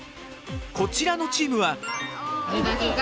こちらのチームは。